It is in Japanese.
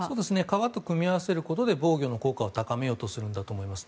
川と組み合わせることで防御の効果を高めようとするんだと思います。